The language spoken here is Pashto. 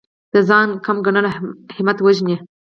د ځان کم ګڼل همت وژني.